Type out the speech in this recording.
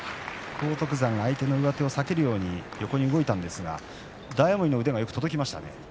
荒篤山が相手の下手を避けるように横に動いたんですが大奄美の手がよく届きましたね。